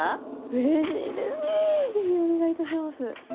ぜひお願いいたします。